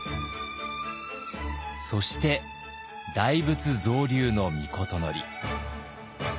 そして大仏造立の詔。